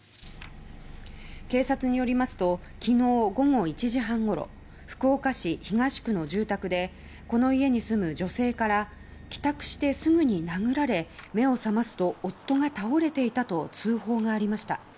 警察によりますと昨日午後１時半ごろ福岡市東区の住宅でこの家に住む女性から帰宅してすぐに殴られ目を覚ますと夫が倒れていたと通報がありました。